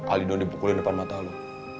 alinu dibukulin depan mata lo